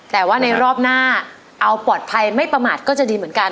แต่ว่าในรอบหน้าเอาปลอดภัยไม่ประมาทก็จะดีเหมือนกัน